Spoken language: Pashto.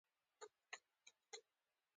له ماشومه هم غږ نه خېژي؛ خپل سیاست ساتي.